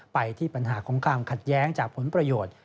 ไปที่ปัญหาของความขัดแย้งจากผลประโยชน์